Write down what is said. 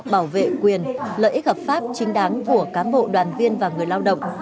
bảo vệ quyền lợi ích hợp pháp chính đáng của cám bộ đoàn viên và người lao động